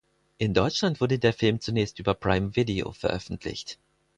In Deutschland wurde der Film zunächst über Prime Video veröffentlicht.